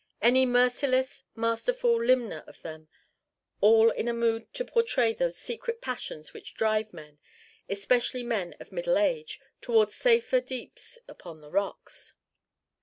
Any merciless, masterful limner of them all in a mood to portray those secret passions which drive men, especially men of middle age, towards safer deeps upon the rocks.